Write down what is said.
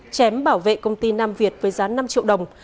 chém bảo vệ công ty nam việt với giá năm triệu đồng